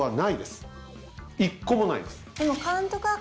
一個もないです。